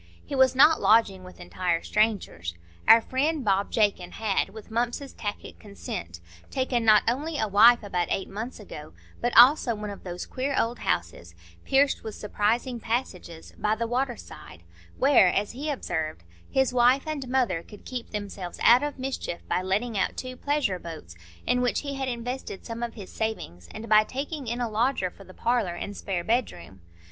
He was not lodging with entire strangers. Our friend Bob Jakin had, with Mumps's tacit consent, taken not only a wife about eight months ago, but also one of those queer old houses, pierced with surprising passages, by the water side, where, as he observed, his wife and mother could keep themselves out of mischief by letting out two "pleasure boats," in which he had invested some of his savings, and by taking in a lodger for the parlour and spare bedroom.